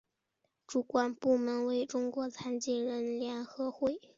主管部门为中国残疾人联合会。